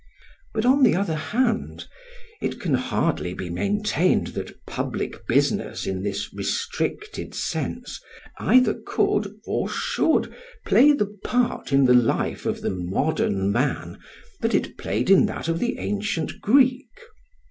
But, on the other hand, it can hardly be maintained that public business in this restricted sense either could or should play the part in the life of the modern man that it played in that of the ancient Greek.